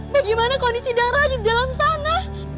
bagaimana kondisi dang rajo di dalam sana